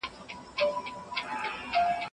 له تورو سترګو نه دې ځار شم ځه چې ځونه